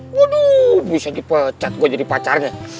waduh bisa dipecat gua jadi pacarnya